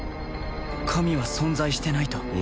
神は存在してないと？